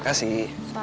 gak ada yang mau nanya